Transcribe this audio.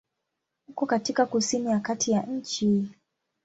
Uko katika kusini ya kati ya nchi.